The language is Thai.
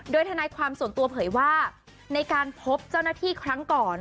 โดยทนายความส่วนตัวเผยว่าในการพบเจ้าหน้าที่ครั้งก่อน